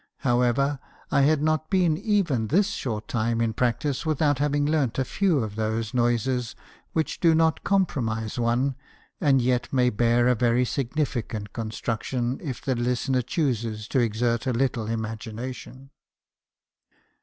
However, I had not been even this short time in practice without having learnt a few of those 254 me. haeeison's confessions. noises which do not compromise one , and yet may bear a very significant construction if the listener chooses to exert a little imagination.